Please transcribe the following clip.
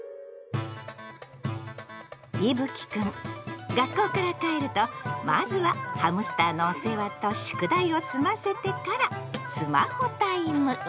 いぶきくん学校から帰るとまずはハムスターのお世話と宿題を済ませてからスマホタイム！